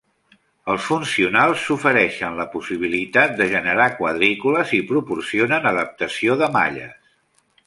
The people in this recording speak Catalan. Els funcionals ofereixen la possibilitat de generar quadrícules i proporcionen adaptació de malles.